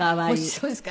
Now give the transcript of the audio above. そうですか。